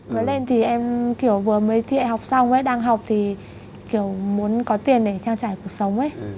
mới lên thì em kiểu vừa mới học xong ấy đang học thì kiểu muốn có tiền để trang trải cuộc sống ấy